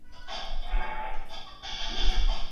د ژوندون کلونه باد غوندي چلېږي